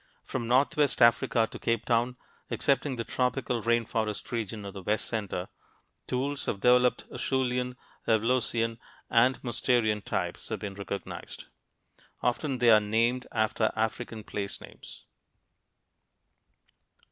From northwest Africa to Capetown excepting the tropical rain forest region of the west center tools of developed Acheulean, Levalloisian, and Mousterian types have been recognized. Often they are named after African place names.